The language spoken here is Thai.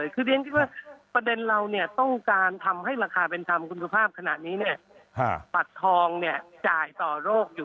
ขณะที่ประกันสังคมเนี่ยจ่ายอยู่๑๒๐๐๐